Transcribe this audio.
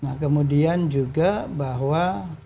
nah kemudian juga bahwa